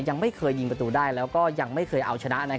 ยังไม่เคยยิงประตูได้แล้วก็ยังไม่เคยเอาชนะ